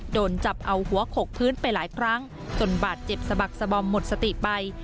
โดนจับเอาหัวโขกพื้นไปหลายครั้งจนบาดเจ็บสะบักสะบอมหมดสติไป